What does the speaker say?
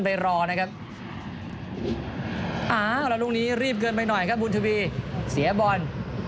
มันนอกนี้รีบเกินไปหน่อยนะครับมันนอกนี้เสียบอล